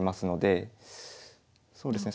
そうですね。